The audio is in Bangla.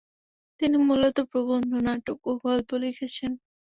তিনি মূলত প্রবন্ধ, নাটক ও গল্প লিখেছেন।